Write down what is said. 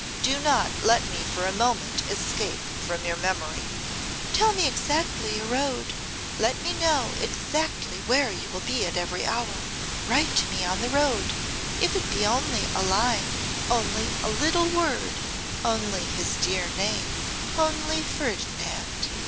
Do not let me for a moment escape from your memory.' 'Tell me exactly your road; let me know exactly where you will be at every hour; write to me on the road; if it be only a line, only a little word; only his dear name; only Ferdinand!